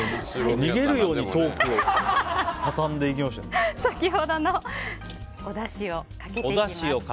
逃げるようにトークを先ほどのおだしをかけていきます。